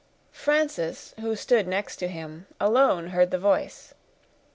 Frances, who stood next to him, alone heard the voice.